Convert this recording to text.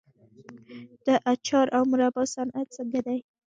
د اچار او مربا صنعت څنګه دی؟